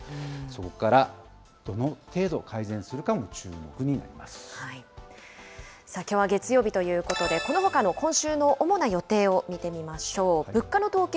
そこからどの程度改善するかも注きょうは月曜日ということで、このほかの今週の主な予定を見てみましょう。